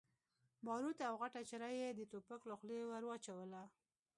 باروت او غټه چره يې د ټوپک له خولې ور واچوله.